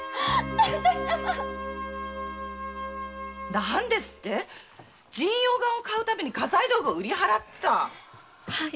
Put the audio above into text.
何ですって⁉神陽丸を買うために家財道具を売った⁉はい。